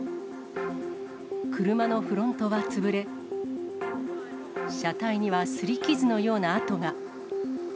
車のフロントは潰れ、車体にはすり傷のような跡が。